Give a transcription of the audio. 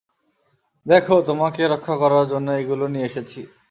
দেখো, তোমাকে রক্ষা করার জন্য এগুলো নিয়ে এসেছি।